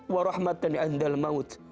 wa rahmatan andal mawt